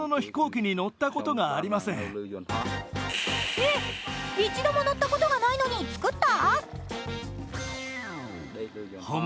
えっ、一度も乗ったことがないのに作った？